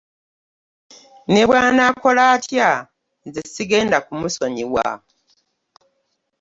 Ne bw'anaakola atya nze sigenda kumusonyiwa.